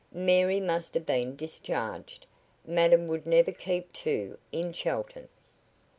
"Mary must have been discharged. Madam would never keep two in Chelton."